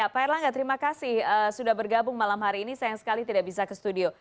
pak erlangga terima kasih sudah bergabung malam hari ini sayang sekali tidak bisa ke studio